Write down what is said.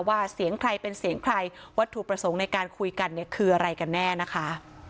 เสียงใครเป็นเสียงใครวัตถุประสงค์ในการคุยกันเนี่ยคืออะไรกันแน่นะคะ